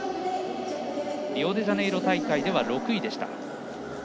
リオデジャネイロ大会では６位。